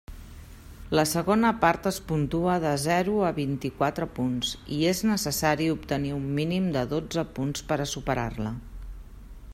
La segona part es puntua de zero a vint-i-quatre punts, i és necessari obtenir un mínim de dotze punts per a superar-la.